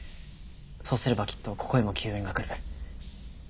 そうすればきっとここへも救援が来る。